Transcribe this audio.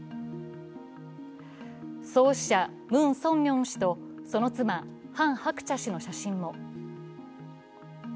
創始者、ムン・ソンミョン氏とその妻、ハン・ハクチャ氏の写真も。